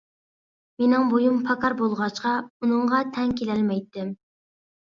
مېنىڭ بويۇم پاكار بولغاچقا ئۇنىڭغا تەڭ كېلەلمەيتتىم.